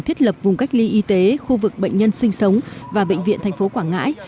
thiết lập vùng cách ly y tế khu vực bệnh nhân sinh sống và bệnh viện thành phố quảng ngãi